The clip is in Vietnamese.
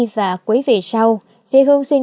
và quý vị sau việt hương xin